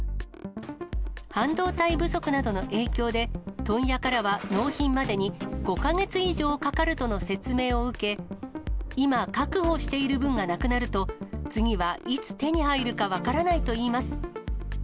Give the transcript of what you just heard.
半導体不足などの影響で、問屋からは納品までに５か月以上かかるとの説明を受け、今、確保している分がなくなると、次はいつ手に入るか分からないといいます。